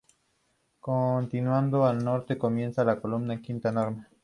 Continuando al norte comienza la comuna de Quinta Normal.